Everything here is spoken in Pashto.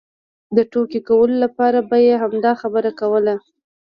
د ټوکې کولو لپاره به یې همدا خبره کوله.